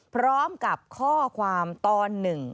พร้อมกับข้อความตอนหนึ่ง